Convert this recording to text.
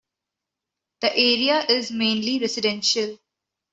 The area is mainly residential.